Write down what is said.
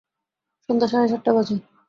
সন্ধ্যা সাড়ে সাতটা বাজে।